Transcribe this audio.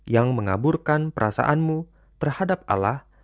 yang mengaburkan perasaanmu terhadap allah